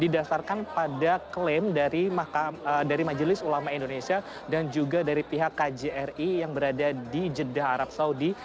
didasarkan pada klaim dari majelis ulama indonesia dan juga dari pihak kjri yang berada di jeddah arab saudi